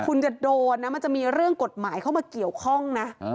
คุณจะโดนนะมันจะมีเรื่องกฎหมายเข้ามาเกี่ยวข้องนะ